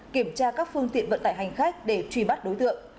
kiểm tra các phương tiện vận tải hành khách để truy bắt đối tượng